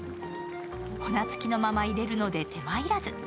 粉付きのまんま入れるので手間要らず。